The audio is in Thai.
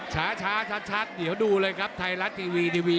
ช้าชัดเดี๋ยวดูเลยครับไทยรัฐทีวีทีวี